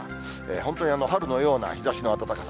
本当に春のような日ざしの暖かさ。